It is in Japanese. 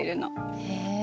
へえ。